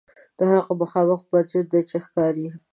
دا هغه مخامخ مسجد دی چې ښکاري.